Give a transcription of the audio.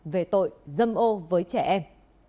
về tội dâm ô với trẻ em